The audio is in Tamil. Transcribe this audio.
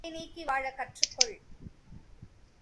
பகை நீக்கி வாழக் கற்றுக் கொள்.